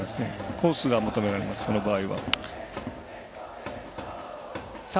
コースが求められます、その場合。